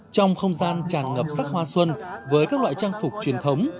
trong không gian tràn ngập sắc hoa xuân với các loại trang phục truyền thống